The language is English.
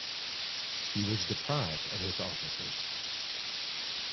He was deprived of his offices.